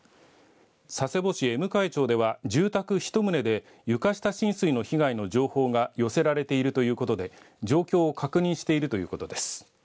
佐世保市江迎町では住宅１棟で床下浸水の被害が寄せられているということで状況を確認しているということです。